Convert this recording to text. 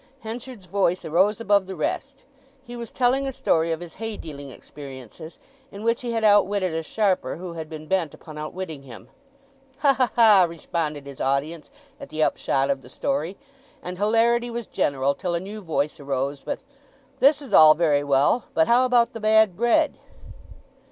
Henchard's voice arose above the rest; he was telling a story of his hay dealing experiences, in which he had outwitted a sharper who had been bent upon outwitting him. "Ha ha ha!" responded his audience at the upshot of the story; and hilarity was general till a new voice arose with, "This is all very well; but how about the bad bread?"